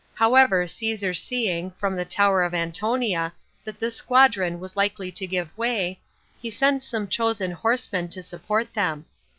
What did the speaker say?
However, Caesar seeing, from the tower of Antonia, that this squadron was likely to give way, he sent some chosen horsemen to support them.